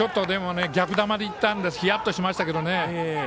逆球でいったのでヒヤッとしましたけどね。